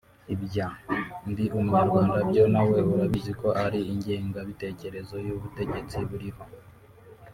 Ibya “Ndi umunyarwanda” byo nawe urabizi ko ari ingengabitekerezo y’ubutegetsi buriho